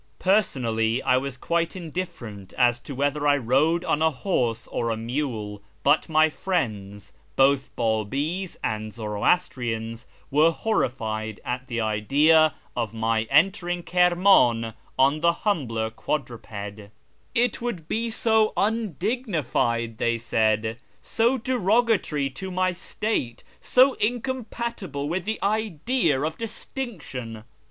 Personally, I was quite indifferent as to whether I rode on a horse or a mule, but my friends, both Babi's and Zoroastrians, were horrified at the idea of my entering Kirnuin on the humbler quadruped :" it would be so undignified," they said, "so derogatory to my state, so incom patible with the idea of distinction